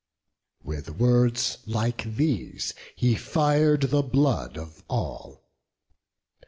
With words like these he fir'd the blood of all.